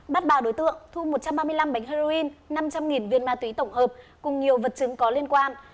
bắt ba đối tượng thu một trăm ba mươi năm bánh heroin năm trăm linh viên ma túy tổng hợp cùng nhiều vật chứng có liên quan